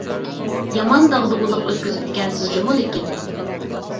يامان داغدۇغىلىق ئۆتكۈزۈپتىكەنسىز جۇمۇ لېكىن.